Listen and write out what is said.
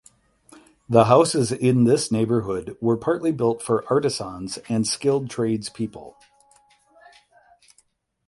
The houses in this neighborhood were partly built for artisans and skilled tradespeople.